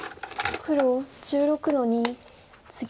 黒１６の二ツギ。